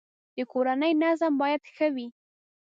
د کورنی نظم باید ښه وی